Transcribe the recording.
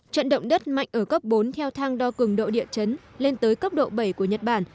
trận động đất mạnh ở cấp bốn theo thang đo cường độ địa chấn lên tới cấp độ bảy của nhật bản